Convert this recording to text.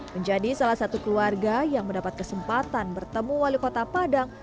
menjadi salah satu keluarga yang mendapat kesempatan bertemu wali kota padang